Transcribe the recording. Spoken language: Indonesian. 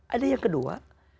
ada yang kedua